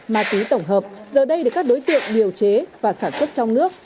ma túy tổng hợp giờ đây là các đối tiện điều chế và sản xuất trong nước